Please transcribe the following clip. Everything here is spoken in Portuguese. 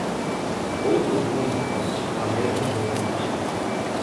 Outros músicos - a mesma música.